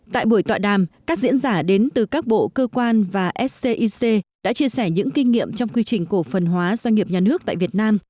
tại buổi tọa đàm các diễn giả đến từ các bộ cơ quan và scic đã chia sẻ những kinh nghiệm trong quy trình cổ phần hóa doanh nghiệp nhà nước tại việt nam